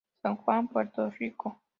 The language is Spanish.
San Juan, Puerto Rico.